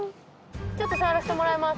ちょっと触らしてもらいます。